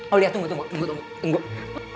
aulia tunggu tunggu